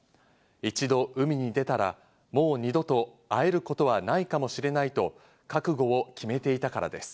一度、海に出たらもう二度と会えることはないかもしれないと覚悟を決めていたからです。